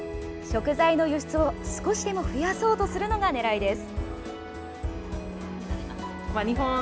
食材の輸出を、少しでも増やそうとするのが狙いです。